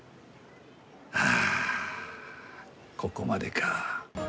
あここまでか。